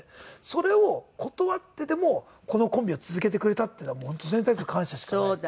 それを断ってでもこのコンビを続けてくれたっていうのはそれに対する感謝しかないですね。